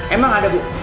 emang ada bu